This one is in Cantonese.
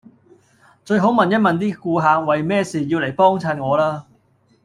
最好問一問啲顧客為咩事要嚟幫襯我啦